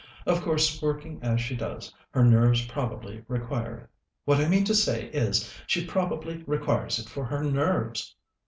Of course, working as she does, her nerves probably require it. What I mean to say is, she probably requires it for her nerves."